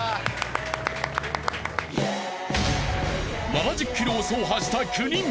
［７０ｋｍを走破した９人］